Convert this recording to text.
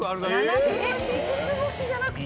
５つ星じゃなくて？